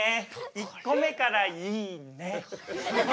１個目からいいね。